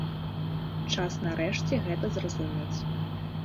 Час нарэшце гэта зразумець.